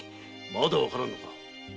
まだわからぬのか？